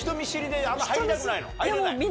入れない？